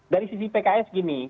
dari sisi pks gini